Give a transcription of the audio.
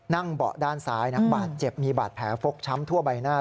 เบาะด้านซ้ายนะบาดเจ็บมีบาดแผลฟกช้ำทั่วใบหน้า